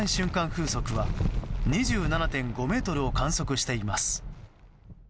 風速は２７．５メートルを観測しています。